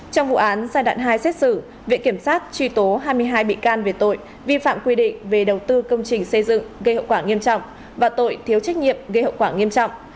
trong vụ án giai đoạn hai xét xử viện kiểm sát truy tố hai mươi hai bị can về tội vi phạm quy định về đầu tư công trình xây dựng gây hậu quả nghiêm trọng và tội thiếu trách nhiệm gây hậu quả nghiêm trọng